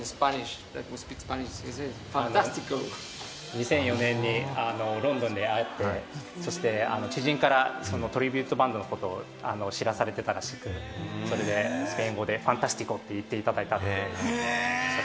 ２００４年にロンドンで会って、そして知人からトリビュートバンドのことを知らされていたらしく、それでスペイン語でファンタスティコと言っていただいた。